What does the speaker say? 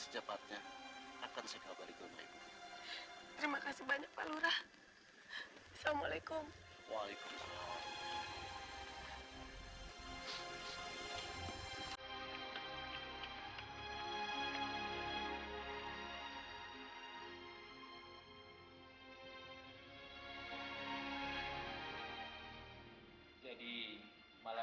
ketika kita berdua kita tidak bisa menemukan keti